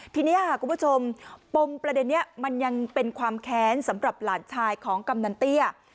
ทีนี้ค่ะคุณผู้ชมปมประเด็นนี้มันยังเป็นความแค้นสำหรับหลานชายของกำนันเตี้ย